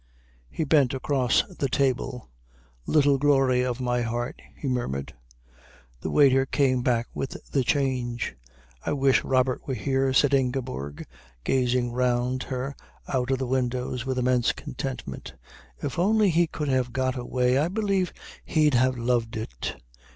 He bent across the table. "Little glory of my heart," he murmured. The waiter came back with the change. "I wish Robert were here," said Ingeborg, gazing round her out of the windows with immense contentment. "If only he could have got away I believe he'd have loved it."